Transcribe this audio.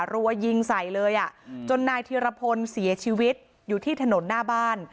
รัวยิงใส่เลยอ่ะจนนายธีรพลเสียชีวิตอยู่ที่ถนนหน้าบ้าน